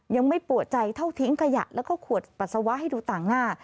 ยังไม่ปวดใจเท่าทิ้งขยะแล้วก็ขวดปัสสาวะให้ดูต่างหน้า